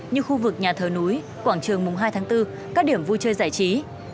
như khu vực nhà thờ núi quảng trường mùng hai tháng bốn các điểm vui chơi giải trí